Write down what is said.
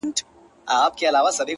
دا روڼه ډېــوه مي پـه وجـود كي ده،